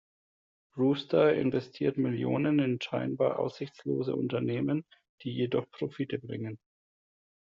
Brewster investiert Millionen in scheinbar aussichtslose Unternehmen, die jedoch Profite bringen.